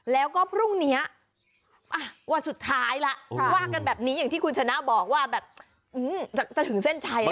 แล้วก็พรุ่งนี้วันสุดท้ายแล้วว่ากันแบบนี้อย่างที่คุณชนะบอกว่าแบบจะถึงเส้นชัย